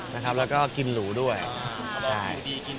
แล้วก็กินหรูด้วยใช่